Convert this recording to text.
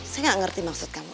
saya tidak mengerti maksud kamu